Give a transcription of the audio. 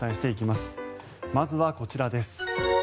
まずは、こちらです。